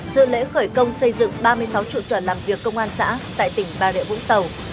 dự lễ khởi công xây dựng ba mươi sáu trụ sở làm việc công an xã tại tỉnh bà rịa vũng tàu